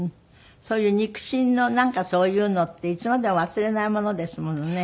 そういう肉親のなんかそういうのっていつまでも忘れないものですものね。